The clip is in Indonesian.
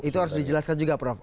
itu harus dijelaskan juga prof